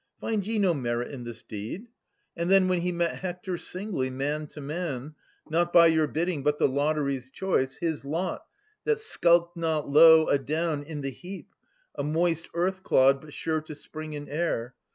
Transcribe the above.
Find ye no merit in this deed? And then 1283 1313] A ias 97 When he met Hector singly, man to man, Not by your bidding, but the lottery's choice. His lot, that skulked not low adown i' the heap, A moist earth clod, but sure to spring in air.